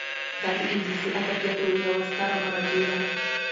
دا د انګلیسي ادبیاتو یوه ستره مرجع ده.